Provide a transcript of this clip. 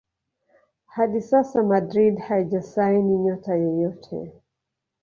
hadi sasa Madrid haijasaini nyota yeyote